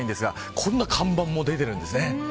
こんな看板も出ているんです。